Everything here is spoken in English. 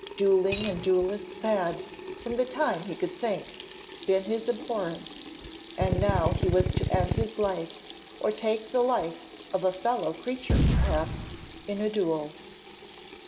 Duelling and duellists had, from the time he could think, been his abhorrence, and now he was to end his life, or to take the life of a fellow creature perhaps, in a duel.